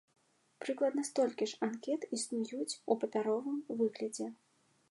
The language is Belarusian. Прыкладна столькі ж анкет існуюць у папяровым выглядзе.